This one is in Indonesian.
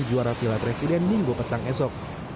juara piala presiden minggu petang esok